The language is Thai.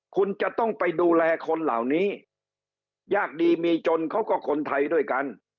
คุณจะต้องไปดูแลคนเหล่านี้ยากดีมีจนเขาก็คนไทยด้วยกัน